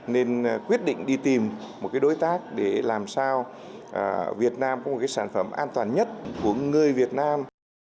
nên quyết định đi tìm một đối tác để làm sao việt nam có một sản phẩm an toàn nhất của người việt nam